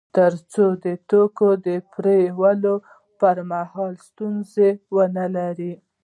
تر څو د توکو د پېرلو پر مهال ستونزه ونلري